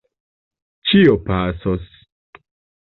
Ĉio pasos!